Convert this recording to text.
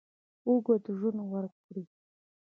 اوږد ژوند ورکړي.